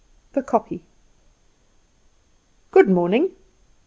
The Kopje. "Good morning!"